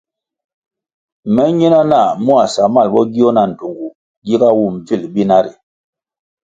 Me nyina nah mua samal bo gio na ndtungu giga wum bvil binari.